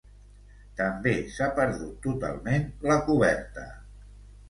També s'ha perdut totalment la coberta.